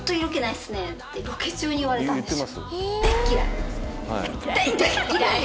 ってロケ中に言われたんですよ。